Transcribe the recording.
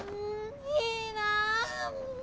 いいなぁ！